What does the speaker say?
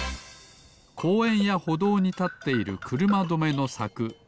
こうえんやほどうにたっているくるまどめのさく。